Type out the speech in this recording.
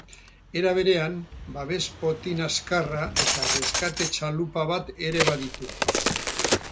Era berean, babes-potin azkarra eta erreskate txalupa bat ere baditu.